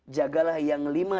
jagalah yang lima